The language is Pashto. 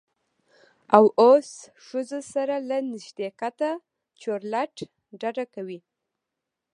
او اوس ښځو سره له نږدیکته چورلټ ډډه کوي.